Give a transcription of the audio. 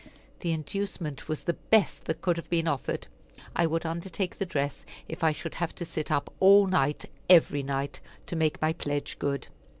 The inducement was the best that could have been offered. I would undertake the dress if I should have to sit up all night every night, to make my pledge good.